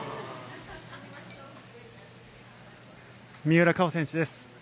三浦佳生選手です。